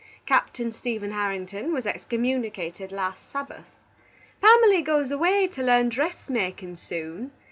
Captain Stephen Harrington was excommunicated last Sabbath. Pamely goes away to learn dressmakin soon.